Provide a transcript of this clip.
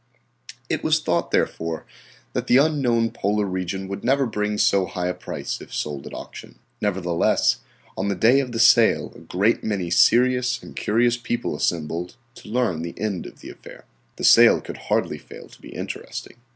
It was thought, therefore, that the unknown polar region would never bring so high a price if sold at auction. Nevertheless, on the day of the sale a great many serious and curious people assembled to learn the end of the affair. The sale could hardly fail to be interesting.